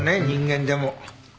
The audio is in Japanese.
人間でも。